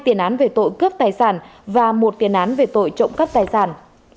tiền án về tội cướp tài sản và một tiền án về tội trộm cắp tài sản